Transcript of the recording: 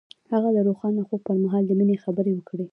هغه د روښانه خوب پر مهال د مینې خبرې وکړې.